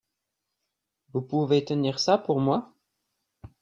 Vous pouvez tenir ça pour moi ?